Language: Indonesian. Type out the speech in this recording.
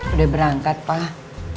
udah berangkat pak